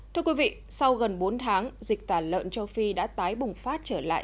thưa quý vị sau gần bốn tháng dịch tả lợn châu phi đã tái bùng phát trở lại